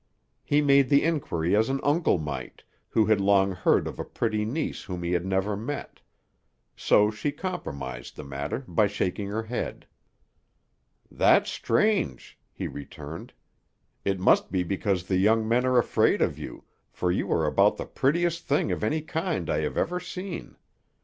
He made the inquiry as an uncle might, who had long heard of a pretty niece whom he had never met; so she compromised the matter by shaking her head. "That's strange," he returned. "It must be because the young men are afraid of you, for you are about the prettiest thing of any kind I have ever seen.